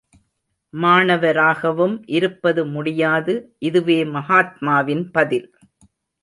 மாணவராகவும் இருப்பது முடியாது இதுவே மகாத்மாவின் பதில்.